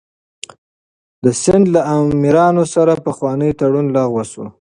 د سند له امیرانو سره پخوانی تړون لغوه شو.